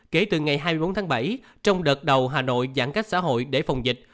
kể từ ngày hai mươi bốn tháng bảy trong đợt đầu hà nội giãn cách xã hội để phòng dịch